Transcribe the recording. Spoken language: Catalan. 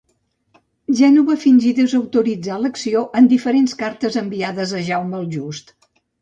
Gènova fingí desautoritzar l'acció en diferents cartes enviades a Jaume el Just.